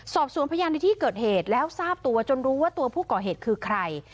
สอบสวนพยานในที่เกิดเหตุแล้วทราบตัวจนรู้ว่าตัวผู้ก่อเหตุคือใคร